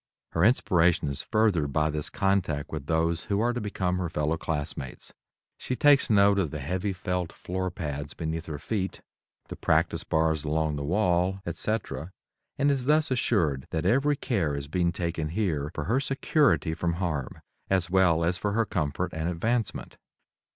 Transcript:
Her inspiration is furthered by this contact with those who are to become her fellow classmates. She takes note of the heavy felt floor pads beneath her feet, the practice bars along the wall, etc., and is thus assured that every care is being taken here for her security from harm as well as for her comfort and advancement.